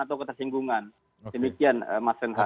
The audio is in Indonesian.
atau ketersinggungan demikian mas renhard